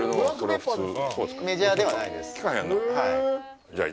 はい。